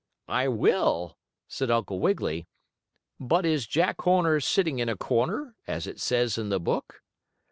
"I will," said Uncle Wiggily. "But is Jack Horner sitting in a corner, as it says in the book?"